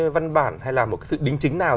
văn bản hay là một sự đính chính nào